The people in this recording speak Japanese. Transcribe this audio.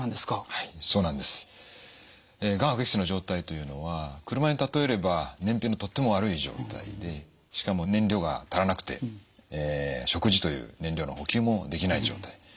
がん悪液質の状態というのは車に例えれば燃費のとっても悪い状態でしかも燃料が足らなくて食事という燃料の補給もできない状態。